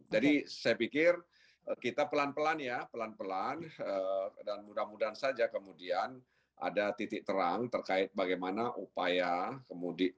jadi saya pikir kita pelan pelan ya pelan pelan dan mudah mudahan saja kemudian ada titik terang terkait bagaimana upaya kemudian